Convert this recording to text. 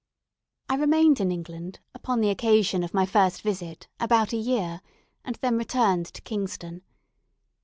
I remained in England, upon the occasion of my first visit, about a year; and then returned to Kingston.